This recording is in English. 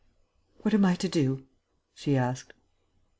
"What am I to do?" she asked.